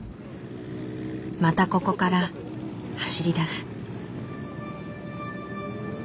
またここから走りだす。